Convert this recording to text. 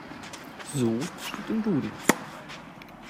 So steht im "Duden.